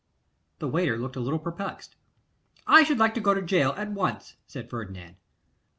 The waiter looked a little perplexed. 'I should like to go to gaol at once,' said Ferdinand.